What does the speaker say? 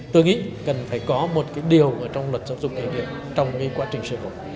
tôi nghĩ cần phải có một điều trong luật giáo dục nghề nghiệp trong quá trình sử dụng